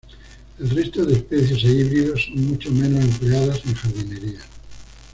El resto de especies e híbridos son mucho menos empleadas en jardinería.